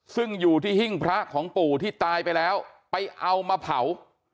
ซึ่งอยู่ที่หิ้งพระของปู่ที่ตายไปแล้วไปเอามาเผา